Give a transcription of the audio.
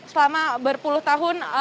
selama berpuluh tahun